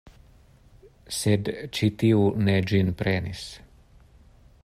Sed ĉi tiu ne ĝin prenis.